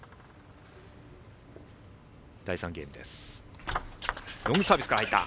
第３ゲームです。